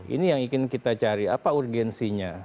ini yang ingin kita cari apa urgensinya